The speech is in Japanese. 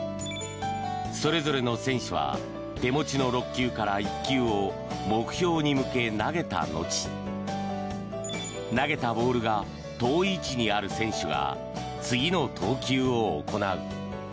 それぞれの選手は手持ちの６球から１球を目標に向け投げた後投げたボールが遠い位置にある選手が次の投球を行う。